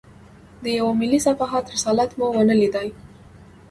د یوه ملي صحافت رسالت مو ونه لېدای.